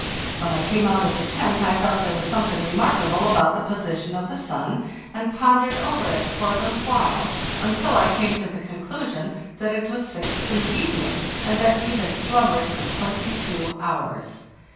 When I came out of the tent I thought there was something remarkable about the posi tion of the sun, and pondered over it for a httle while, until I came to the conclusion that it was six in the evening, and that we had slumbered for twenty two hours.